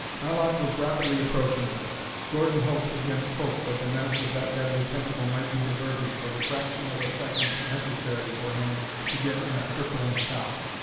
Arlok was rapidly approaching them. Gordon hoped against hope that the menace of that deadly tentacle might be diverted for the fraction of a second necessary for him to get in a crippling shot.